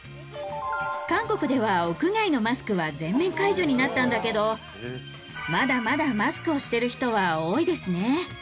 韓国では屋外のマスクは全面解除になったんだけどまだまだマスクをしてる人は多いですね。